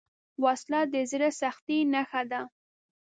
وسله د زړه سختۍ نښه ده